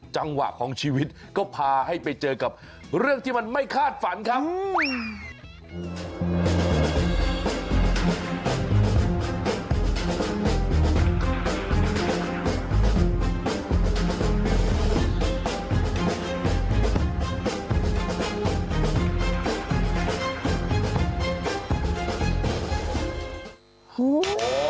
จังหวะของชีวิตก็พาให้ไปเจอกับเรื่องที่มันไม่คาดฝันครับ